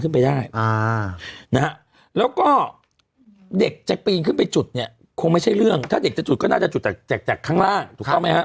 นะฮะแล้วก็เด็กจะปีนขึ้นไปจุดเนี่ยคงไม่ใช่เรื่องถ้าเด็กจะจุดก็น่าจะจุดจากจากข้างล่างถูกต้องไหมฮะ